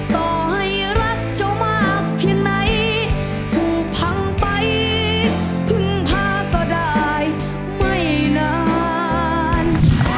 ต่อให้รักเจ้ามากเพียงไหนผูกพังไปพึ่งพาก็ได้ไม่นาน